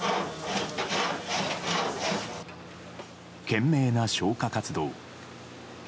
懸命な消火活動。